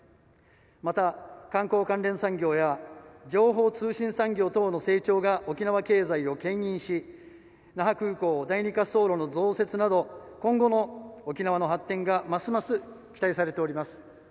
また、観光関連産業や情報通信産業等の成長が沖縄経済をけん引し那覇空港第２滑走路の増設など今後の沖縄の発展がますます期待されております。